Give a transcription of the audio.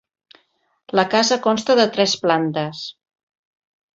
La casa consta de tes plantes.